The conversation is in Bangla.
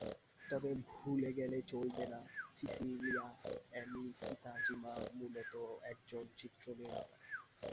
তবে ভুলে গেলে চলবে না, সিসিলিয়া অ্যামি কিতাজিমা মূলত একজন চিত্রনির্মাতা।